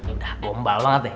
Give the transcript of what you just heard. udah bombal banget deh